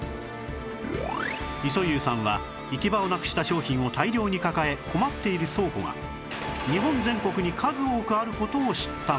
磯遊さんは行き場をなくした商品を大量に抱え困っている倉庫が日本全国に数多くある事を知ったんです